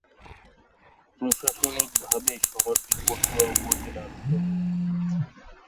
প্রশাসনিকভাবে শহরটি কচুয়া উপজেলার সদর।